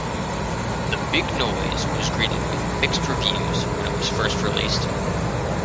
"The Big Noise" was greeted with mixed reviews when it was first released.